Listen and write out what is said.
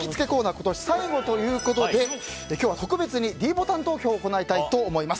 今年最後ということで今日は特別にｄボタン投票をしたいと思います。